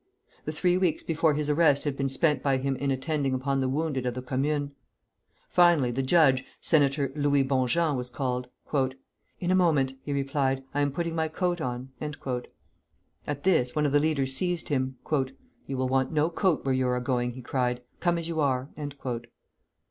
The three weeks before his arrest had been spent by him in attending upon the wounded of the Commune. Finally the judge, Senator Louis Bonjean, was called. "In a moment," he replied; "I am putting my coat on." At this, one of the leaders seized him. "You will want no coat where you are going," he cried; "come as you are."